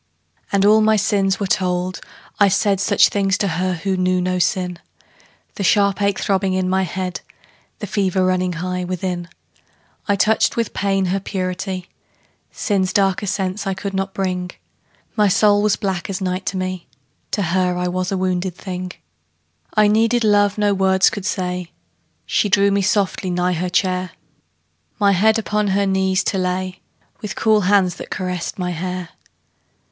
And all my sins were told; I said Such things to her who knew not sin The sharp ache throbbing in my head, The fever running high within. I touched with pain her purity; Sin's darker sense I could not bring: My soul was black as night to me: To her I was a wounded thing. I needed love no words could say; She drew me softly nigh her chair, My head upon her knees to lay, With cool hands that caressed my hair.